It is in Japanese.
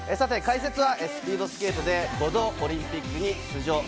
解説はスピードスケートで５度オリンピックに出場。